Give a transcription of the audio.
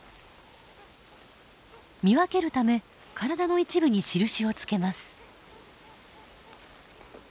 見分けるため体の一部に印をつけます。